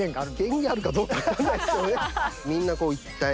権限あるかどうか分かんないですけどね。